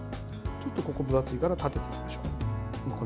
ちょっとここは分厚いから縦に切に切りましょう。